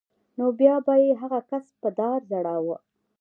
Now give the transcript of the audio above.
نو بیا به یې هغه کس په دار ځړاوه